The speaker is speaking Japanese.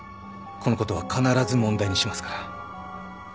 このことは必ず問題にしますから。